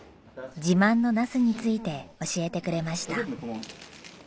自慢のナスについて教えてくれました。